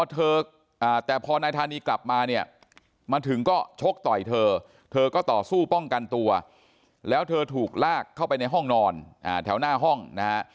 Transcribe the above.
แต่พอนายธานีกลับมาเนี่ยมาถึงก็ชกต่อยเธอเธอก็ต่อสู้ป้องกันตัวแล้วเธอถูกลากเข้าไปในห้องนอนแถวหน้าห้องนะฮะ